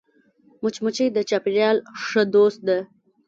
مچمچۍ د چاپېریال ښه دوست ده